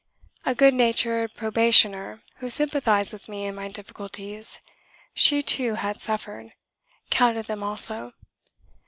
A good natured probationer, who sympathised with me in my difficulties (she too had suffered), counted them also.